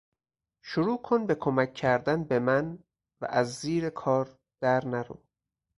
شروع کن به کمک کردن به من و از زیر کار در نرو!